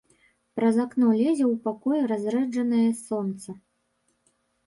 Праз акно лезе ў пакой разрэджанае сонца.